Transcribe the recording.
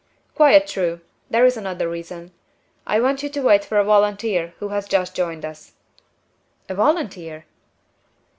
"Quite true! there is another reason. I want you to wait for a volunteer who has just joined us." "A volunteer!"